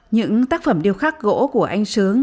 những tác phẩm điều khắc gỗ của anh sướng